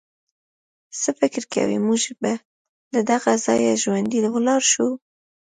څه فکر کوئ، موږ به له دغه ځایه ژوندي ولاړ شو.